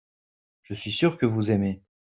je suis sûr que vous aimez.